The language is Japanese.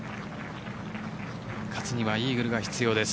勝つにはイーグルが必要です。